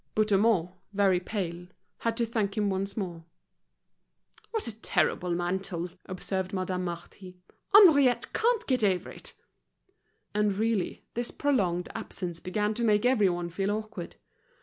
Bouthemont, very pale, had to thank him once more. "What a terrible mantle," observed Madame Marty. "Henriette can't get over it." And really, this prolonged absence began to make everyone feel awkward.